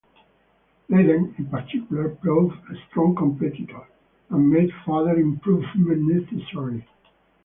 Leiden, in particular, proved a strong competitor and made further improvement necessary.